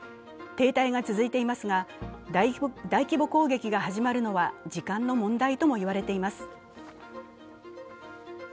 停滞が続いていますが、大規模攻撃が始まるのは時間の問題ともいわれています。